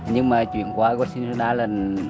nhưng mà chuyển qua quốc sinh soda là